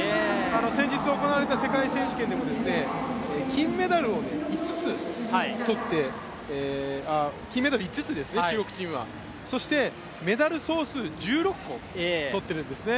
先日、行われた世界選手権でも金メダルを５つですね、中国チームは。そしてメダル総数１６個取ってるんですね。